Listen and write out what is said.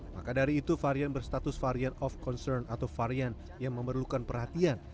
maka dari itu varian berstatus varian of concern atau varian yang memerlukan perhatian